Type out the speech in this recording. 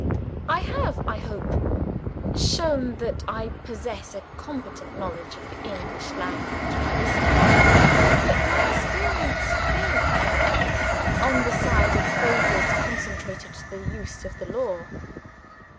I have, I hope, shown that I possess a competent knowledge of the English language, by this time. But my experience fails a little on the side of phrases consecrated to the use of the law.